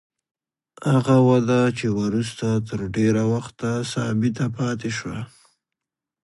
هغه وده چې وروسته تر ډېره وخته ثابته پاتې شوه.